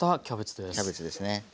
キャベツですね。